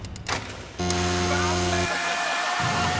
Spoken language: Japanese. ［残念！］